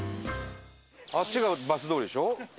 あっちがバス通りでしょ？